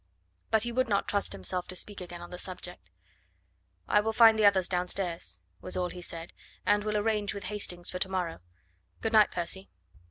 But he would not trust himself to speak again on the subject. "I will find the others downstairs," was all he said, "and will arrange with Hastings for to morrow. Good night, Percy."